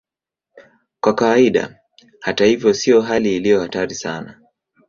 Kwa kawaida, hata hivyo, sio hali iliyo hatari sana.